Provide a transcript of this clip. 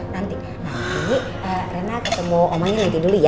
nanti nah ini rena ketemu omanya nanti dulu ya